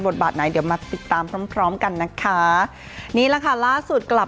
บทบาทไหนเดี๋ยวมาติดตามพร้อมกันนะคะนี้ล่ะค่ะล่าสุดกลับ